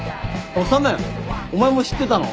修お前も知ってたの？